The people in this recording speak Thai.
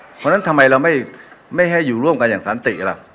เพราะฉะนั้นทำไมเราไม่ให้อยู่ร่วมกันอย่างสันติล่ะ